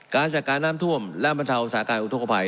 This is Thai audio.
การจัดการน้ำท่วมและบรรเทาอุสาการอุทธกภัย